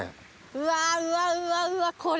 うわうわうわこれ。